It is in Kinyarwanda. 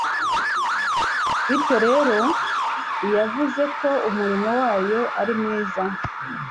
Bityo rero, iyavuze ko umurimo wayo ari mwiza,